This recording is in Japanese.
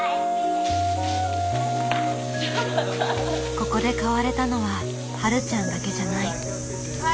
ここで変われたのははるちゃんだけじゃない。